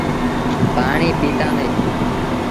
پآڻيٚ پيٚتآندي